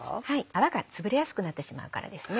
泡がつぶれやすくなってしまうからですね。